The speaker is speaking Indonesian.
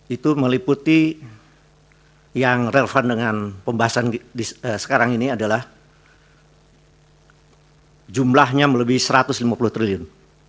itu meliputi yang relevan dengan pembahasan sekarang ini adalah jumlahnya melebih satu ratus lima puluh triliun